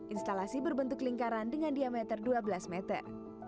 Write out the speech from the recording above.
instalasi berbentuk lingkaran dengan diameter dua belas meter